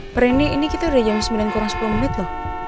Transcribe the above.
perni ini kita udah jam sembilan kurang sepuluh menit loh